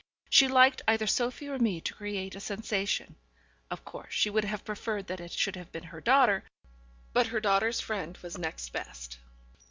She liked either Sophie or me to create a sensation; of course she would have preferred that it should have been her daughter, but her daughter's friend was next best.